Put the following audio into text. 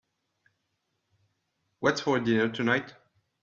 What's for dinner tonight?